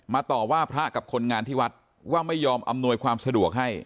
ต่อว่าพระกับคนงานที่วัดว่าไม่ยอมอำนวยความสะดวกให้